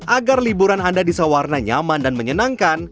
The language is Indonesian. agar liburan anda di sawarna nyaman dan menyenangkan